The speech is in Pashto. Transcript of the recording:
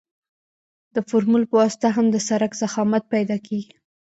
د فورمول په واسطه هم د سرک ضخامت پیدا کیږي